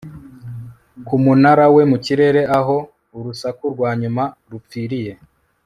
Ku munara we mu kirere aho urusaku rwa nyuma rupfiriye